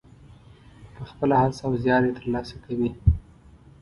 په خپله هڅه او زیار یې ترلاسه کوي.